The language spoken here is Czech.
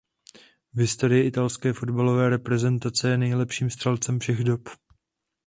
V historii italské fotbalové reprezentace je nejlepším střelcem všech dob.